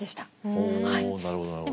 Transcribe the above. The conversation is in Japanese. ほうなるほどなるほど。